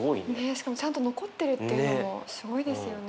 しかもちゃんと残ってるっていうのもすごいですよね。